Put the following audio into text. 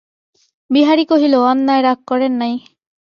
বিহারী কহিল, অন্যায় রাগ করেন নাই।